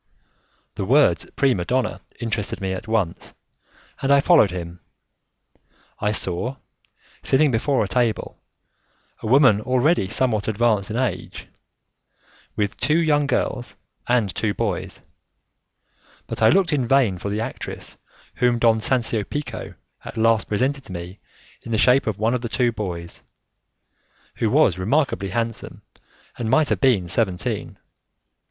The words prima donna interested me at once, and I followed him. I saw, sitting before a table, a woman already somewhat advanced in age, with two young girls and two boys, but I looked in vain for the actress, whom Don Sancio Pico at last presented to me in the shape of one of the two boys, who was remarkably handsome and might have been seventeen.